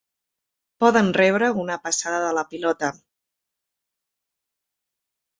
Poden rebre un passada de la pilota.